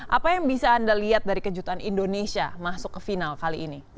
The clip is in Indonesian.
apa yang bisa anda lihat dari kejutan indonesia masuk ke final kali ini